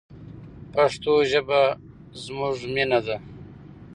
پښتو ژبه زموږ مینه ده.